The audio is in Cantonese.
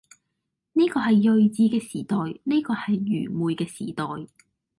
呢個係睿智嘅時代，呢個係愚昧嘅時代，